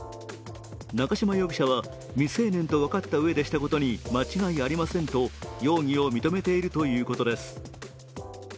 中島容疑者は未成年と分かってしたことに間違いありませんと容疑を認めているということです。